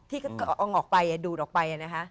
ที่เอาออกไปดูดออกไปนะคะ